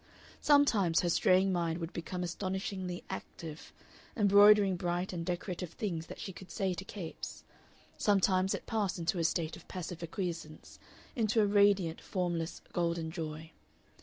Sometimes her straying mind would become astonishingly active embroidering bright and decorative things that she could say to Capes; sometimes it passed into a state of passive acquiescence, into a radiant, formless, golden joy.